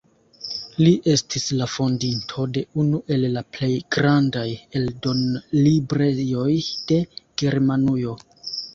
Li estis la fondinto de unu el la plej grandaj eldonlibrejoj de Germanujo.